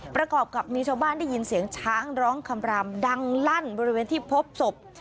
ประกอบกับมีชาวบ้านได้ยินเสียงช้างร้องคำรามดังลั่นบริเวณที่พบศพ